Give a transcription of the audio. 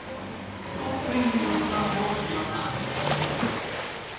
トップ１０入りのスタートを切りました。